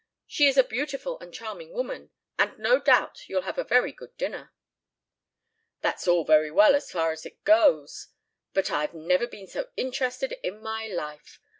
She is a beautiful and charming woman and no doubt you'll have a very good dinner." "That's all very well as far as it goes, but I've never been so interested in my life.